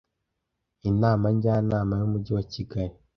Inama Njyanama y Umujyi wa Kigali